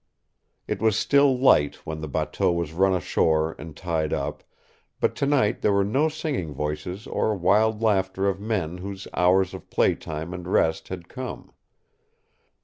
It was still light when the bateau was run ashore and tied up, but tonight there were no singing voices or wild laughter of men whose hours of play time and rest had come.